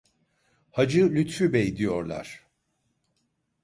Hacı Lütfü Bey diyorlar.